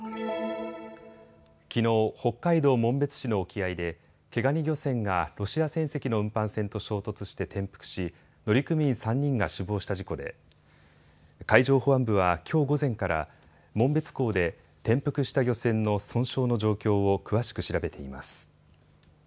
きのう、北海道紋別市の沖合で毛ガニ漁船がロシア船籍の運搬船と衝突して転覆し、乗組員３人が死亡した事故で海上保安部はきょう午前から紋別港で転覆した漁船の損傷の状況を詳しく調べています。